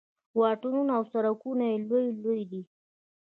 واټونه او سړکونه یې لوی لوی دي.